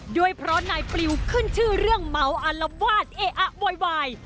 ด้วยเพราะนายปลิวขึ้นชื่อเรื่องเมาอารวาสเออะโวยวาย